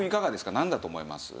なんだと思います？